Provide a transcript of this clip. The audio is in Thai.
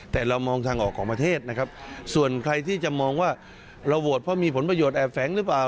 แต่เรามองทางออกของประเทศนะครับส่วนใครที่จะมองว่าเราโหวตเพราะมีผลประโยชนแอบแฝงหรือเปล่า